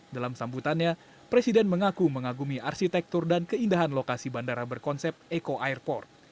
dalam sambutannya presiden mengaku mengagumi arsitektur dan keindahan lokasi bandara berkonsep eko airport